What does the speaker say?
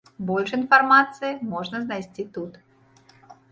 Больш інфармацыі можна знайсці тут.